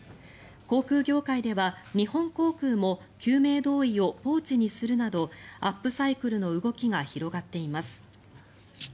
航空業界では日本航空も救命胴衣をポーチにするなどアップサイクルの動きが広がっています。